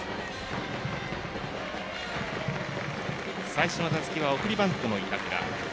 最初の打席は送りバントの板倉。